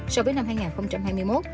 so với năm hai nghìn hai mươi một